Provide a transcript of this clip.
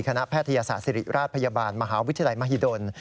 แพทยศาสตร์ศิริราชพยาบาลมหาวิทยาลัยมหิดล